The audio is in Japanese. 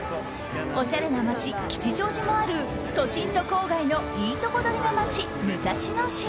おしゃれな街・吉祥寺もある都心と郊外のいいとこ取りの街武蔵野市。